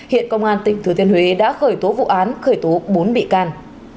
hiện công an tỉnh thừa thiên huế đã khởi tố vụ án khởi tố bốn bị can